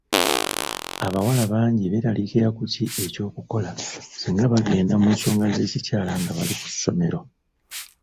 Abawala bangi beeraliikirira ku ki eky'okukola singa bagenda mu nsonga z'ekikyala nga bali ku ssomero.